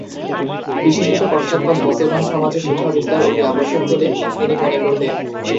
বিশেষত পশ্চাৎপদ মুসলমান সমাজে শিক্ষা বিস্তার অতি আবশ্যক বলে তিনি মনে করতেন।